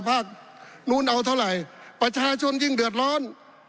ภาคนู้นเอาเท่าไหร่ประชาชนยิ่งเดือดร้อน